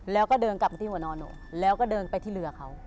แล้วก็เดินกลับมาที่หัวนอนหนูแล้วก็เดินไปที่เรือเขา